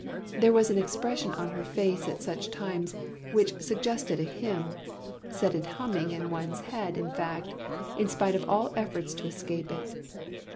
There was an expression on her face at such times which suggested a hymn, set it humming in one's head in fact, in spite of all efforts to escape it.